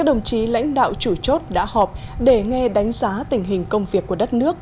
đồng chí lãnh đạo chủ chốt đã họp để nghe đánh giá tình hình công việc của đất nước